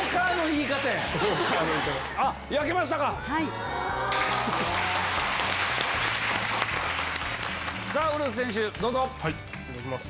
いただきます。